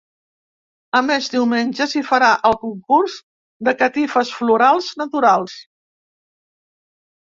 A més, diumenge s’hi farà el concurs de catifes florals naturals.